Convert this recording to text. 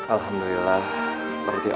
alhamdulillah udah baik banget